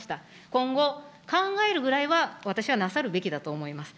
今後、考えるぐらいは私はなさるべきだと思います。